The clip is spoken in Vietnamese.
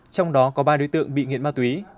trong đó có ba đối tượng bị nghiện ma túy